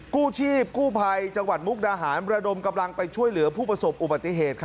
กู้ชีพกู้ภัยจังหวัดมุกดาหารระดมกำลังไปช่วยเหลือผู้ประสบอุบัติเหตุ